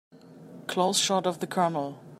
Close shot of the COLONEL.